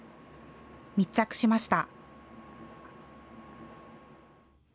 密着しました。